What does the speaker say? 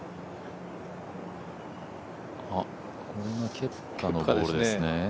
ケプカのボールですね。